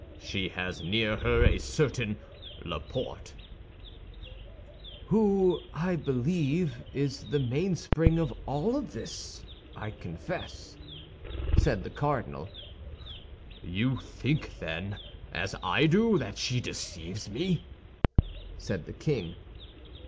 She has near her a certain Laporte." "Who, I believe, is the mainspring of all this, I confess," said the cardinal. "You think then, as I do, that she deceives me?" said the king.